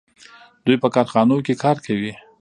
دوی په کارخانو کې کار کوي.